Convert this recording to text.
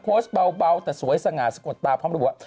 โพสต์เบาแต่สวยสง่าสกดตาพร้อมรับหัว